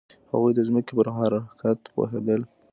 هغوی د ځمکې په حرکت پوهیدل.